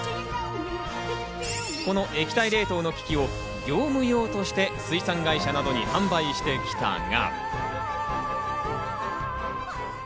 この液体冷凍の機器を業務用として水産会社などに販売してきたが。